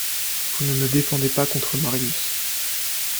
Vous ne me défendez pas contre Marius.